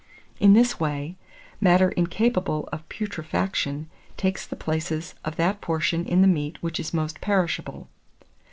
In this way, matter incapable of putrefaction takes the places of that portion in the meat which is most perishable.